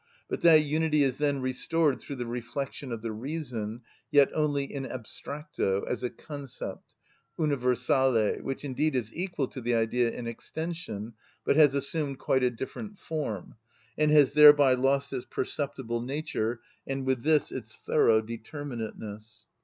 But that unity is then restored through the reflection of the reason, yet only in abstracto, as a concept, universale, which indeed is equal to the Idea in extension, but has assumed quite a different form, and has thereby lost its perceptible nature, and with this its thorough determinateness.